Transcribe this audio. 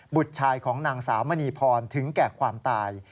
บุตรชายของนางสาวมณีพรถึงแก่ความตาย